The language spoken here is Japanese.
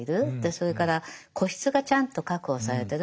それから個室がちゃんと確保されてる。